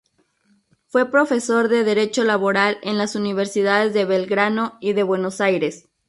Fue profesor de derecho laboral en las universidades de Belgrano y de Buenos Aires.